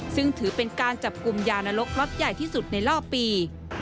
ซึ่งถือเป็นการจับกลุ่มยานรกร็อตใหญ่ที่สุดในรอบปี